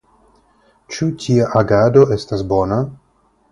Ĉu tia agado estas bona?